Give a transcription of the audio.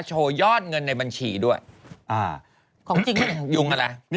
ยอดเงินในบัญชีด้วยของจริงยุงอะไร